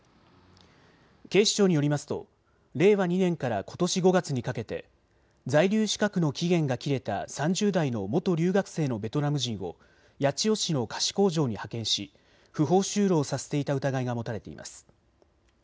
警視庁によりますと令和２年からことし５月にかけて在留資格の期限が切れた３０代の元留学生のベトナム人を八千代市の菓子工場に派遣し不法就労させていた疑いが持たれています。